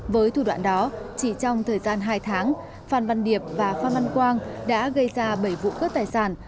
với thủ đoạn đó chỉ trong thời gian hai tháng phan văn điệp và phan văn quang đã gây ra bảy vụ cướp tài sản